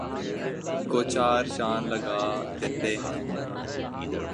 کو چار چاند لگا دیتے ہیں